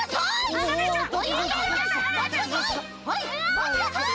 まちなさい！